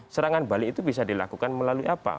serangan balik itu bisa dilakukan melalui apa